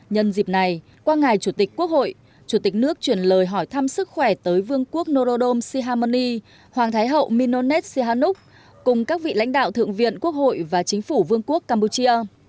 nhân dịp này qua ngài chủ tịch quốc hội chủ tịch nước chuyển lời hỏi thăm sức khỏe tới vương quốc norodom sihamoni hoàng thái hậu minonet sihanuk cùng các vị lãnh đạo thượng viện quốc hội và chính phủ vương quốc campuchia